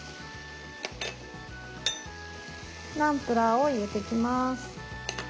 ナムプラーを入れていきます。